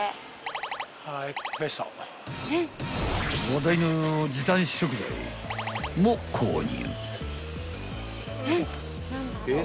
［話題の時短食材も購入］